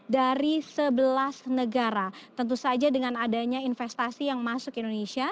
dari sebelas negara tentu saja dengan adanya investasi yang masuk indonesia